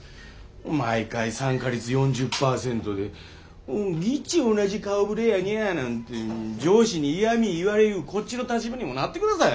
毎回参加率４０％で「ぎっち同じ顔ぶれやにゃあ」なんて上司に嫌み言われゆうこっちの立場にもなってください。